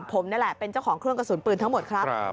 ผมนี่แหละเป็นเจ้าของเครื่องกระสุนปืนทั้งหมดครับ